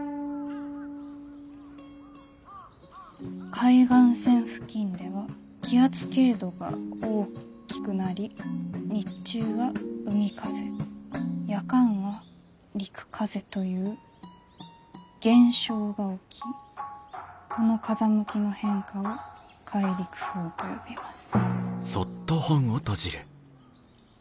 「海岸線付近では気圧傾度が大きくなり日中は海風夜間は陸風という現象が起きこの風向きの変化を海陸風と呼びます」。